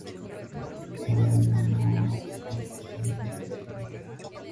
Tanto la Beneficencia Pública como el Sr.